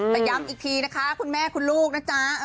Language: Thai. แต่ย้ำอีกทีนะคะคุณแม่คุณลูกนะจ๊ะ